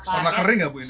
pernah kering gak bu ini